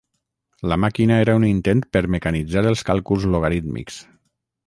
La màquina era un intent per mecanitzar els càlculs logarítmics.